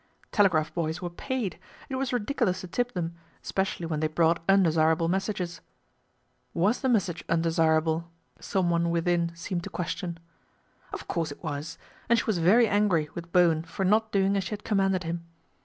Telegraph boys were paid. It was ridicu lous to tip them, especially when they brought undesirable messages. ' Was the message un desirable ?" someone within seemed to question. Of course it was, and she was very angry with Bowen for not doing as she had commanded him.